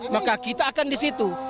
maka kita akan di situ